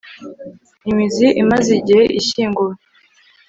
imizi imaze igihe ishyinguwe